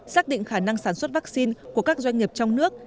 xác định khả năng sản xuất vaccine của các doanh nghiệp trong nước